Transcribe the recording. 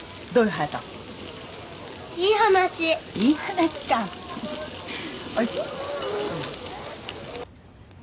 隼太いい話いい話かおいしい？